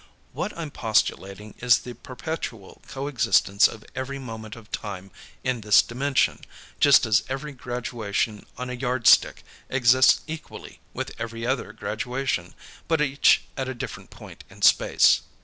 What I'm postulating is the perpetual coexistence of every moment of time in this dimension, just as every graduation on a yardstick exists equally with every other graduation, but each at a different point in space."